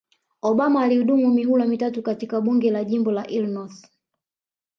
Obama alihudumu mihula mitatu katika Bunge la jimbo la Illinos